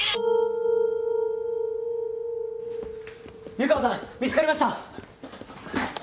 湯川さん見つかりました。